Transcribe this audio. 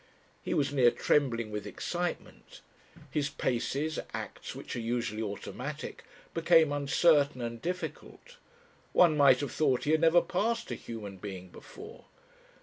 He was near trembling with excitement. His paces, acts which are usually automatic, became uncertain and difficult. One might have thought he had never passed a human being before.